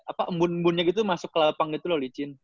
apa embun embunnya gitu masuk ke lapang gitu loh licin